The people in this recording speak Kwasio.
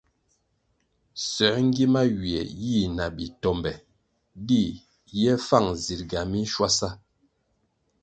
Soē ngima ywie yi na bi tombe di ye fang zirga minshwasa.